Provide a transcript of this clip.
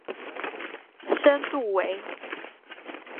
深度为。